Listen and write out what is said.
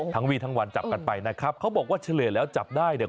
วีทั้งวันจับกันไปนะครับเขาบอกว่าเฉลี่ยแล้วจับได้เนี่ย